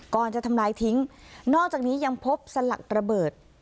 ก่อนจะทำลายทิ้งนอกจากนี้ยังพบสลักระเบิด